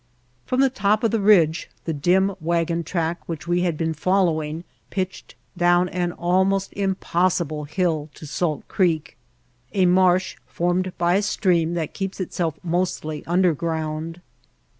From the top of the ridge the dim wagon track which we had been following pitched down an almost impossible hill to Salt Creek, a marsh formed by a stream that keeps itself mostly underground.